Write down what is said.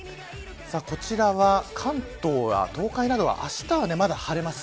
こちらは、関東東海などは明日はまだ晴れます。